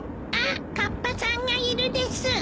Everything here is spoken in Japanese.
あっカッパさんがいるです。